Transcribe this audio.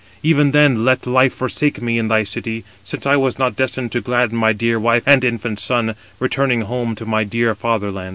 Even then 225 let life forsake me in thy city; since I was not destined to gladden my dear wife and infant son, returning home to my dear fatherland."